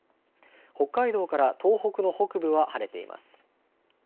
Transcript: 北海道から東北の北部は晴れています。